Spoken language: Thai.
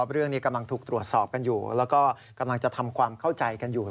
เรื่องนี้กำลังถูกตรวจสอนและกำลังจะทำความเข้าใจอยู่